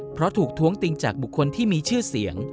เพราะถูกท้วงติงจากบุคคลที่มีชื่อเสียง